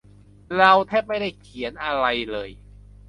เราแทบไม่ได้เขียนอะไรเลย